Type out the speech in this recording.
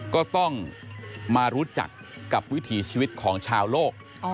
ก็ต้องมารู้จักกับวิถีชีวิตของชาวโลก